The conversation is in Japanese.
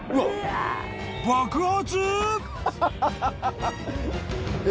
［爆発！？］